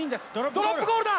ドロップゴールだ！